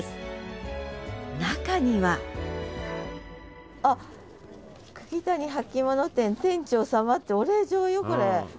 中にはあっ「くぎたに履物店店長様」ってお礼状よこれ。